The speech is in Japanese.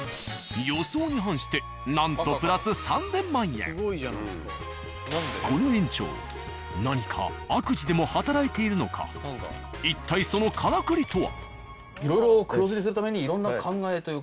予想に反してなんとこの園長何か悪事でも働いているのか一体そのからくりとは。